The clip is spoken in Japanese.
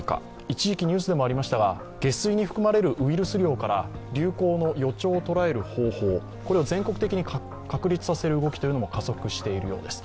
一時期ニュースでもありましたが下水に含まれるウイルス量から流行の予兆を捉える方法、これを全国的に確立させる動きというのも加速しているようです。